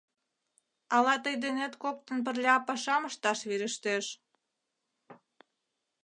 Ала тый денет коктын пырля пашам ышташ верештеш...